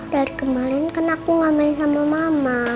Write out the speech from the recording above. dari kemarin kan aku gak main sama mama